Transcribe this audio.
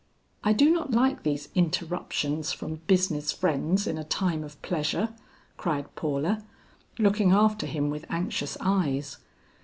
"I do not like these interruptions from business friends in a time of pleasure," cried Paula, looking after him with anxious eyes.